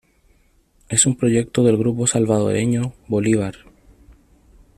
Es un proyecto del Grupo Salvadoreño "Bolívar".